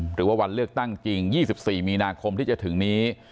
หรือว่าวันเลือกตั้งจริง๒๔มีนาคมที่จะถึงนี้